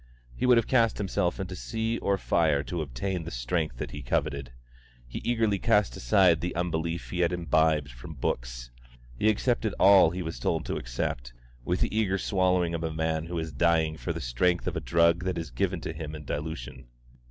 He would have cast himself into sea or fire to obtain the strength that he coveted. He eagerly cast aside the unbelief he had imbibed from books. He accepted all that he was told to accept, with the eager swallowing of a man who is dying for the strength of a drug that is given to him in dilution.